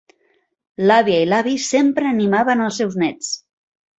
L'àvia i l'avi sempre animaven els seus nets.